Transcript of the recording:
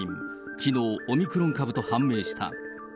きのう、オミクロン株と判明した。